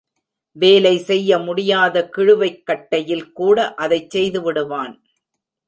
வேலை செய்ய முடியாத கிளுவைக் கட்டையில் கூட அதைச் செய்துவிடுவான்.